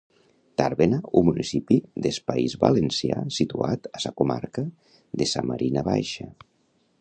Tàrbena un municipi des País Valencià situat a sa comarca de sa Marina Baixa